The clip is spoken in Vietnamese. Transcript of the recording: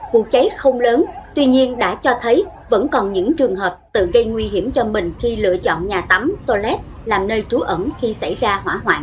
vụ cháy không lớn tuy nhiên đã cho thấy vẫn còn những trường hợp tự gây nguy hiểm cho mình khi lựa chọn nhà tắm to lét làm nơi trú ẩn khi xảy ra hỏa hoạn